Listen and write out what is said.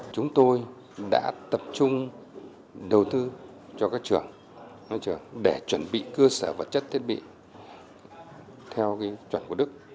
chúng tôi đã tập trung đầu tư cho các trường để chuẩn bị cơ sở vật chất thiết bị theo chuẩn của đức